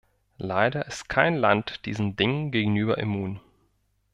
Leider ist kein Land diesen Dingen gegenüber immun.